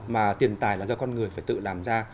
mà tiền tài là do con người phải tự làm ra